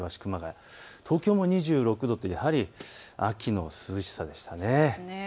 東京も２６度とやはり秋の涼しさでしたね。